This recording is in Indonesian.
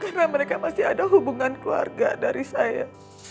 karena mereka masih ada hubungan keluarga dari saya